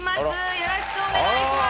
よろしくお願いします！